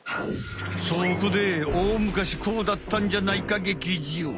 そこで大昔「こうだったんじゃないか劇場」。